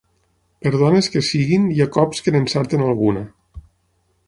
Per dones que siguin hi ha cops que n'encerten alguna.